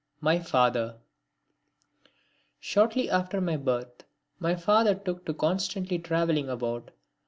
(13) My Father Shortly after my birth my father took to constantly travelling about.